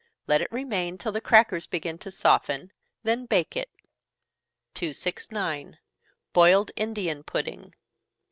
Let it remain till the crackers begin to soften, then bake it. 269. _Boiled Indian Pudding.